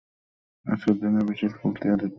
আজকের দিনের বিশেষ ফুলটি আদিত্য সরলার হাতে দিয়ে গেল।